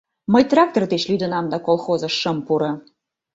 — Мый трактор деч лӱдынам да колхозыш шым пуро.